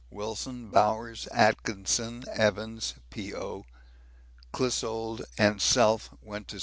Wilson, Bowers, Atkinson, Evans (P.O.), Clissold, and self went to C.